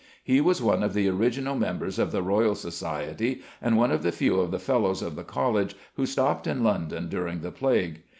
He was one of the original members of the Royal Society, and one of the few of the Fellows of the College who stopped in London during the plague.